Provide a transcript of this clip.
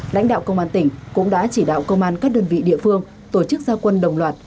lãnh đạo công an tỉnh cũng đã chỉ đạo công an các đơn vị địa phương tổ chức gia quân đồng loạt